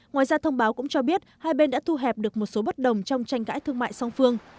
ngoài ra thông báo cũng cho biết hai bên đã thu hẹp được một số bất đồng trong tranh cãi thương mại song phương